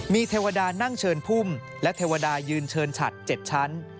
มีเทวดานั่งเชิญพุ่มและเทวดายืนเชิญฉัด๗ชั้น